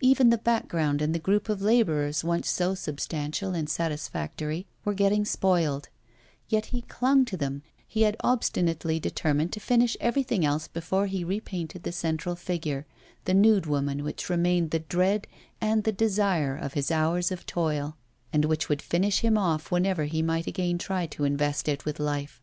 Even the background and the group of labourers, once so substantial and satisfactory, were getting spoiled; yet he clung to them, he had obstinately determined to finish everything else before repainting the central figure, the nude woman, which remained the dread and the desire of his hours of toil, and which would finish him off whenever he might again try to invest it with life.